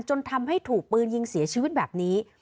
จนทำให้ถูกปืนยิงเสียชีวิตแบบนี้